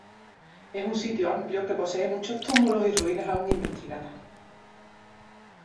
Es un sitio amplio que posee muchos túmulos y ruinas aún investigadas.